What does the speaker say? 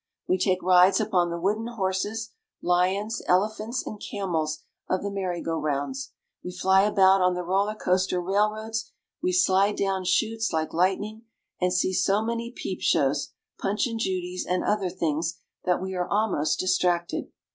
We take rides upon the wooden horses, lions, elephants, and camels of the merry go rounds ; we fly about on the roller coaster railroads; we slide down "chutes" like lightning, and see so many peep shows, Punch and Judys, and But let us take a stroll out to the Prater." other things, that we are almost distracted.